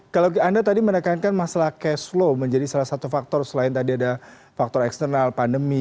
kalau anda tadi menekankan masalah cash flow menjadi salah satu faktor selain tadi ada faktor eksternal pandemi